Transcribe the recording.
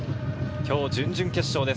今日、準々決勝です。